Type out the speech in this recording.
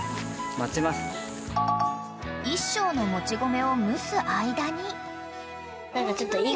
［１升のもち米を蒸す間に］